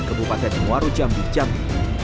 kebupatan warujambi jambi